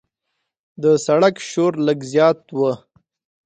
د سړک شور لږ زیات و.